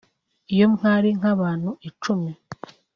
Iyo mwari nk’abantu icumi